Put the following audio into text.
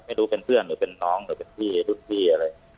ไม่รู้เป็นเพื่อนหรือเป็นน้องหรือพี่รุ่นที่